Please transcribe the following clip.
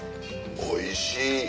おいしい。